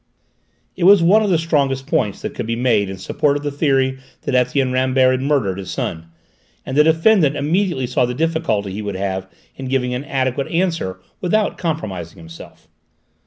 It was one of the strongest points that could be made in support of the theory that Etienne Rambert had murdered his son, and the defendant immediately saw the difficulty he would have in giving an adequate answer without compromising himself.